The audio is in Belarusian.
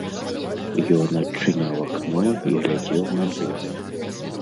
Ён адчыняў акно і глядзеў на двор.